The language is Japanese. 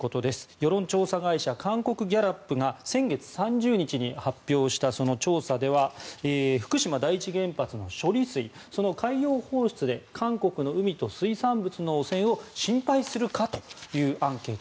世論調査会社韓国ギャラップが先月３０日に発表した調査では福島第一原発の処理水その海洋放出で韓国の海と水産物の汚染を心配するかというアンケート。